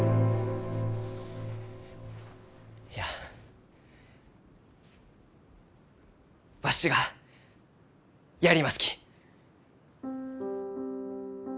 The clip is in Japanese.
いやわしはやりますき。